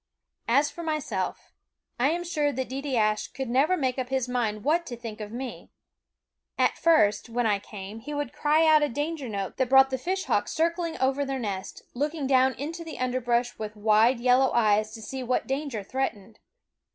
As for myself, I am sure that Deedeeaskh could never make up his mind what to think of me. At first, when I came, he would cry out a danger note that brought the fishhawks ffie SCHOOL OF circling over their nest, looking down into *ke un de r k r ush with wild yellow eyes to see ffie Fishhawk what danger threatened.